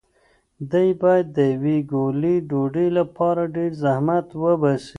دی باید د یوې ګولې ډوډۍ لپاره ډېر زحمت وباسي.